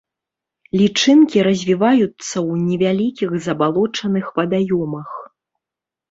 Лічынкі развіваюцца ў невялікіх забалочаных вадаёмах.